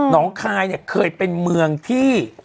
น้องคายเนี่ยเคยเป็นเมืองที่